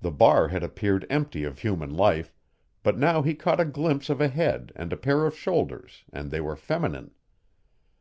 The bar had appeared empty of human life, but now he caught a glimpse of a head and a pair of shoulders and they were feminine.